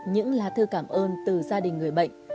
những lá thư cảm ơn từ gia đình người bệnh